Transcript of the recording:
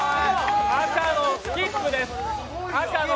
赤のスキップです。